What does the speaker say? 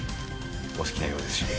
お好きなようですし。